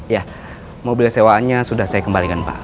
ya mobil sewaannya sudah saya kembalikan pak